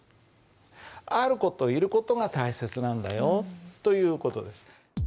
「あることいること」が大切なんだよという事です。